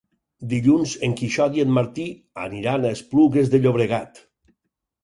Dilluns en Quixot i en Martí aniran a Esplugues de Llobregat.